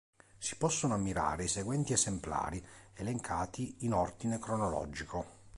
Si possono ammirare i seguenti esemplari, elencati in ordine cronologico.